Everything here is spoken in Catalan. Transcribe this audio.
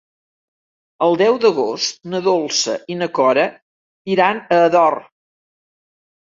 El deu d'agost na Dolça i na Cora iran a Ador.